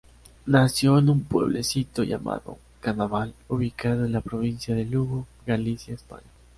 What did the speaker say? Nació en un pueblecito llamado Canabal, ubicado en la provincia de Lugo, Galicia, España.